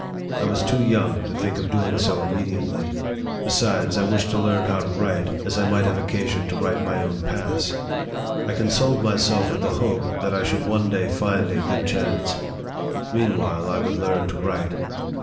I was too young to think of doing so immediately ; besides, I wished to learn how to write, as I might have occasion to write my own oass. I consoled myself with the hope that I should LIFE OF FREDERICK DOT/GLASS. 43 one day find a good chance. Meanwhile, I would learn to write.